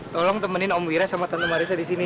tolong temenin om wira sama tante marissa di sini